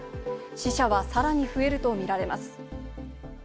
死者はさらに増えるとみられます。